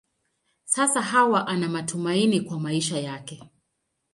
Sasa Hawa ana matumaini kwa maisha yake.